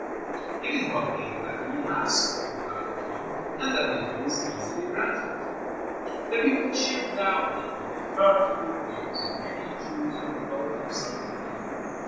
"It is but little that ye ask," replied the king, "and that little is easily granted." The people cheered loudly when they heard the good news, and many Jews enrolled themselves in the army.